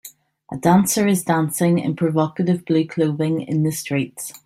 A dancer is dancing in provocative blue clothing in the streets